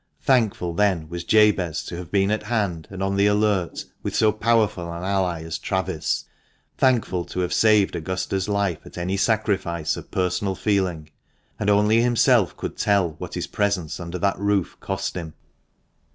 Thankful then was Jabez to have been at hand, and on the alert, with so powerful an ally as Travis ; thankful to have saved Augusta's life at any sacrifice of personal feeling ; and only himself could tell what his presence under that roof cost him.